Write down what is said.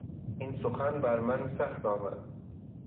این سخن بر من سخت آمد.